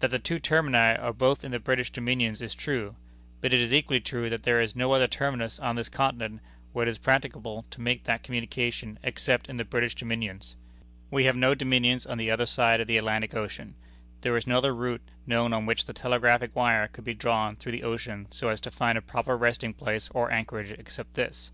"That the two termini are both in the British dominions is true; but it is equally true that there is no other terminus on this continent where it is practicable to make that communication except in the British dominions. We have no dominions on the other side of the Atlantic Ocean. There is no other route known on which the telegraphic wire could be drawn through the ocean so as to find a proper resting place or anchorage except this.